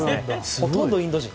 ほとんどインド人。